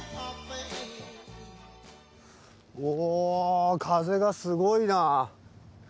おぉ風がすごいな。